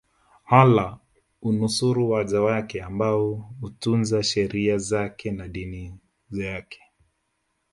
Allah hunusuru waja wake ambao utunza sheria zake na Dini yake